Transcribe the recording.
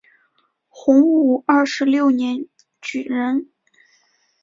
洪武二十六年举人。